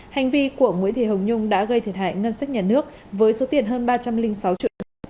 hành vi của nguyễn thị hồng nhung đã gây thiệt hại ngân sách nhà nước với số tiền hơn ba trăm linh sáu triệu